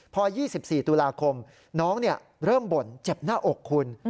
พอ๒๔ตุลาคมน้องเริ่มบ่นเจ็บหน้าอกคุณ